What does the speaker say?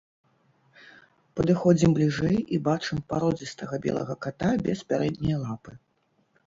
Падыходзім бліжэй і бачым пародзістага белага ката без пярэдняй лапы.